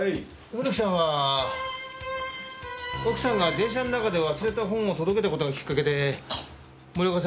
古木さんは奥さんが電車の中で忘れた本を届けた事がきっかけで森岡さんと知り合った。